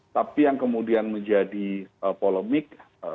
tapi yang kemudian menjadi polemik